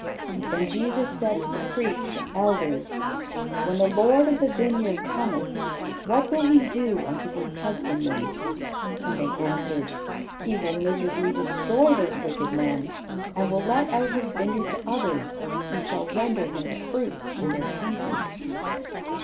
Then Jesus said to the priests and elders, "When the Lord of the vineyard cometh, what will he do unto these husbandmen?" And they answered, "He will miserably destroy those wicked men, and will let out his vineyard to others, who shall render him the fruits in their season."